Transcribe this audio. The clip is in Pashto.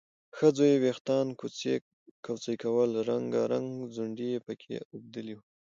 ښځو یې وېښتان کوڅۍ کول، رنګارنګ ځونډي یې پکې اوبدلي وو